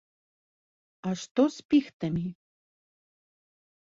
А што з піхтамі?